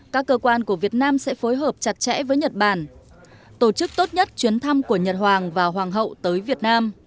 các cơ quan của việt nam sẽ phối hợp chặt chẽ với nhật bản tổ chức tốt nhất chuyến thăm của nhật hoàng và hoàng hậu tới việt nam